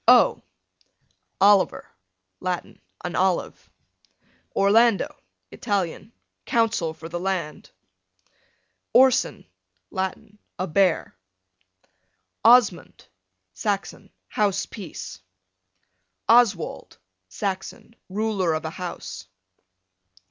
O Oliver, Latin, an olive. Orlando, Italian, counsel for the land. Orson, Latin, a bear. Osmund, Saxon, house peace. Oswald, Saxon, ruler of a house.